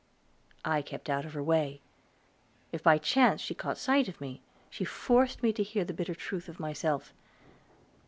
I kept out of her way; if by chance she caught sight of me, she forced me to hear the bitter truth of myself.